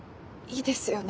いいですよね